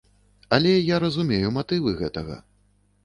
Але я разумею матывы гэтага.